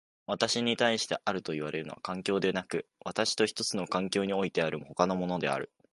私に対してあるといわれるのは環境でなく、私と一つの環境においてある他のものである。